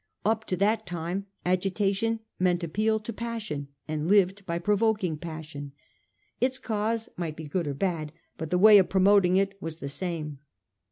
Up to that time agitation meant appeal to passion, and lived by provoking passion. Its cause might be good or bad, but the way of promoting it was the same.